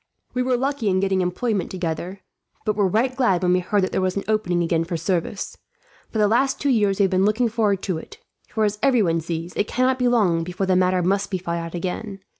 "We were lucky in getting employment together, but were right glad when we heard that there was an opening again for service. For the last two years we have been looking forward to it; for as everyone sees, it cannot be long before the matter must be fought out again.